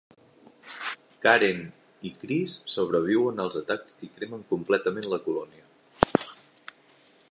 Karen i Chris sobreviuen als atacs i cremen completament la colònia.